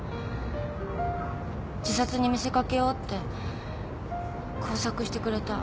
自殺に見せかけようって工作してくれた。